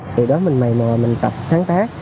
thì đó mình mời mời mình tập sáng tác